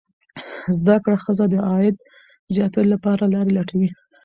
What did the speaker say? زده کړه ښځه د عاید زیاتوالي لپاره لارې لټوي.